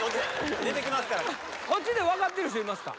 出てきますからこっちで分かってる人いますか？